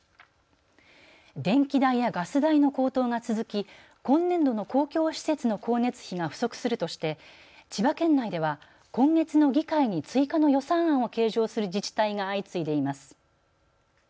電気代やガス代の高騰が続き今年度の公共施設の光熱費が不足するとして千葉県内では今月の議会に追加の予算案を計上する自治体が相次いでいます。